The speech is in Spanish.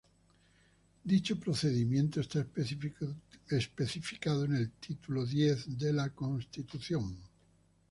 Dicho procedimiento está especificado en el Título X de la Constitución.